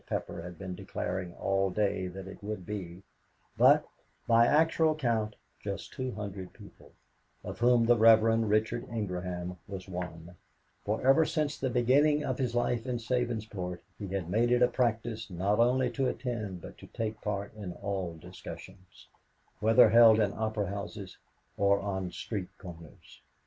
Pepper had been declaring all day that it would be, but, by actual count, just two hundred people, of whom the Rev. Richard Ingraham was one, for ever since the beginning of his life in Sabinsport, he had made it a practice not only to attend but to take part in all discussions, whether held in opera houses or on street corners.